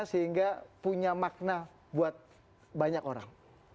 yang nggak punya makna buat banyak orang